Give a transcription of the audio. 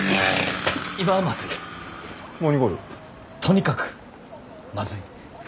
とにかくまずい。